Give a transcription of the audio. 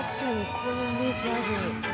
こういうイメージある。